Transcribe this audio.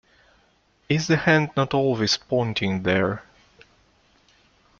Is the hand not always pointing there?